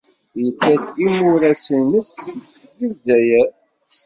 Yettekk imuras-nnes deg Lezzayer.